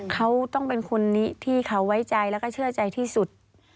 เขาต้องเป็นคนที่เขาไว้ใจแล้วก็เชื่อใจที่สุด